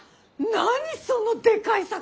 何そのでかい魚。